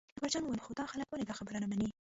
اکبرجان وویل خو دا خلک ولې دا خبره نه مني.